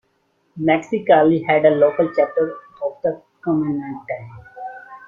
Mexicali had a local chapter of the Kuomintang.